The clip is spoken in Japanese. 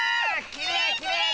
きれいきれい！